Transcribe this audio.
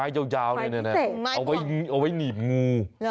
โอ้หัวงู